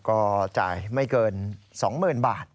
ก็จ่ายไม่เกิน๒๐๐๐บาท